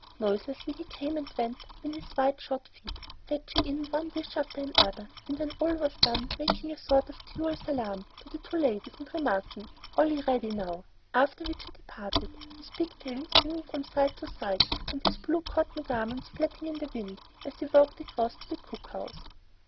Noiselessly he came and went in his white shod feet, fetching in one dish after another, and when all was done, making a sort of dual salaam to the two ladies, and remarking "Allee yeady now," after which he departed, his pigtail swinging from side to side and his blue cotton garments flapping in the wind as he walked across to the cook house.